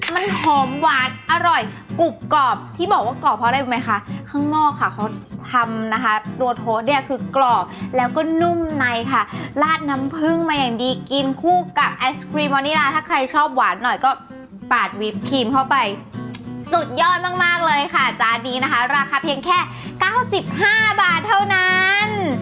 มันหอมหวานอร่อยกรุบกรอบที่บอกว่ากรอบเพราะอะไรรู้ไหมคะข้างนอกค่ะเขาทำนะคะตัวโทสเนี่ยคือกรอบแล้วก็นุ่มในค่ะลาดน้ำผึ้งมาอย่างดีกินคู่กับไอศครีมวานิลาถ้าใครชอบหวานหน่อยก็ปาดวิปครีมเข้าไปสุดยอดมากมากเลยค่ะจานนี้นะคะราคาเพียงแค่เก้าสิบห้าบาทเท่านั้น